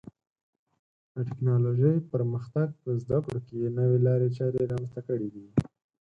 د ټکنالوژۍ پرمختګ په زده کړو کې نوې لارې چارې رامنځته کړې دي.